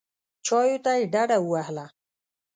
چایو ته یې ډډه ووهله.